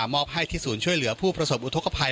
อบให้ที่ศูนย์ช่วยเหลือผู้ประสบอุทธกภัย